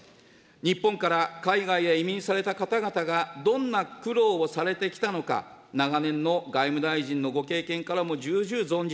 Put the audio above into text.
日本から海外へ移民された方々が、どんな苦労をされてきたのか、長年の外務大臣のご経験からも重々存じ